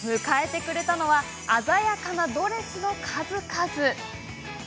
迎えてくれたのは鮮やかなドレスの数々。